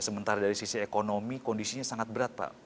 sementara dari sisi ekonomi kondisinya sangat berat pak